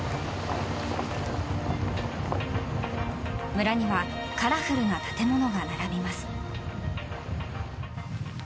村にはカラフルな建物が並びます。